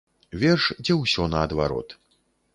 Верш, дзе ўсё наадварот.